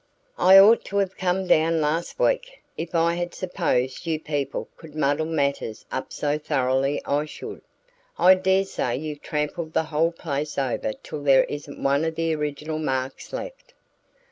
"I ought to have come down last week! If I had supposed you people could muddle matters up so thoroughly I should. I dare say you've trampled the whole place over till there isn't one of the original marks left."